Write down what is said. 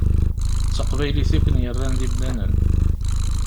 D taqbaylit i ken-yerran d imdanen.